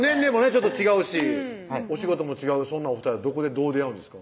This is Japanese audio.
ちょっと違うしお仕事も違うそんなお２人はどこでどう出会うんですか？